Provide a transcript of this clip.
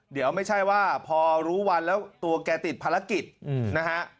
เดี๋ยวไม่ใช่ว่าพอรู้วันแล้วตัวแกติดภารกิจนะฮะ